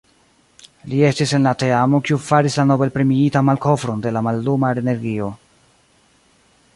Li estis en la teamo kiu faris la Nobel-premiitan malkovron de la malluma energio.